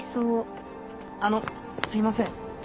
あのすいません